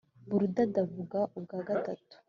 Biludadi avuga ubwa gatatu